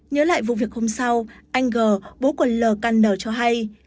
nhớ lại vụ việc hôm sau anh g bố quần lờ căn nở cho hay